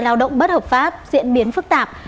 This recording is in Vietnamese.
lao động bất hợp pháp diễn biến phức tạp